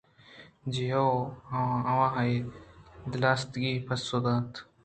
جی ہئو! آوان پہ دلسِتکی پسو دات